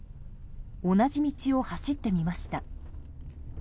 同じ道を走ってみました。